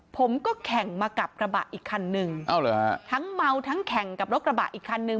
ผมก็แข่งมากับกระบะอีกคันนึงเอาเหรอฮะทั้งเมาทั้งแข่งกับรถกระบะอีกคันนึง